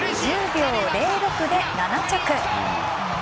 １０秒０６で７着。